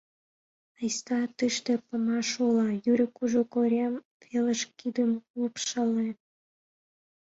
Айста, тыште памаш уло, — Юрик Кужу корем велыш кидым лупшале.